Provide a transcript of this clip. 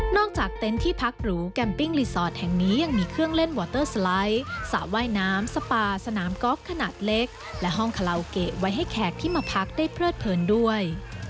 จากเต็นต์ที่พักหรูแกมปิ้งรีสอร์ทแห่งนี้ยังมีเครื่องเล่นวอเตอร์สไลด์สระว่ายน้ำสปาสนามกอล์ฟขนาดเล็กและห้องคาราโอเกะไว้ให้แขกที่มาพักได้เพลิดเผินด้วย